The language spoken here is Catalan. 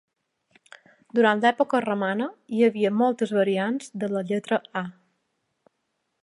Durant l'època romana, hi havia moltes variants de la lletra "A".